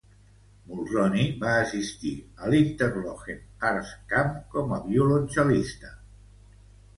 Mulroney va assistir a l'Interlochen Arts Camp com a violoncel·lista.